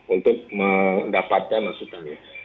untuk mendapatkan maksudnya